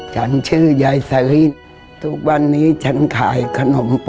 แต่ยิ่มถึงไม่เอยชฟวิเศษ